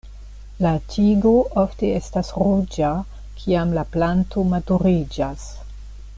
La tigo ofte estas ruĝa kiam la planto maturiĝas.